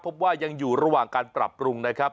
พบว่ายังอยู่ระหว่างการปรับปรุงนะครับ